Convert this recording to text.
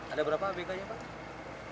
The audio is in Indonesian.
ada berapa abk nya pak